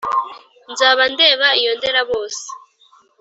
Nzaba ndeba iyo nderabose